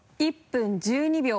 １分１２秒。